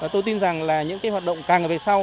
tôi tin rằng là những hoạt động càng về sau